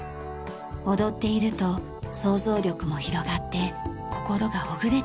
踊っていると想像力も広がって心がほぐれていきます。